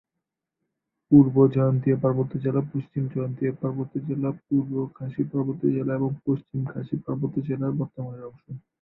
পূর্ব জয়ন্তীয়া পার্বত্য জেলা, পশ্চিম জয়ন্তীয়া পার্বত্য জেলা, পূর্ব খাসি পার্বত্য জেলা এবং পশ্চিম খাসি পার্বত্য জেলার বর্তমান এর অংশ।